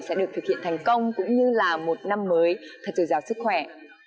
sẽ được thực hiện thành công cũng như là một năm mới thật dồi dào sức khỏe